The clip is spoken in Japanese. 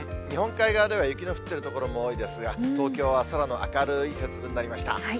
日本海側では雪の降っている所も多いですが、東京は空の明るい節分になりました。